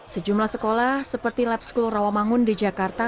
sejumlah sekolah seperti lab school rawamangun di jakarta